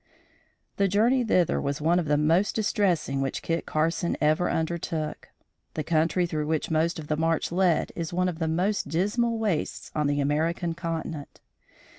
The journey thither was one of the most distressing which Kit Carson ever undertook. The country through which most of the march led is one of the most dismal wastes on the American continent.